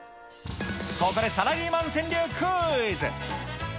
ここでサラリーマン川柳クイズ。